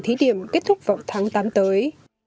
thí điểm kết thúc vào tháng tám tới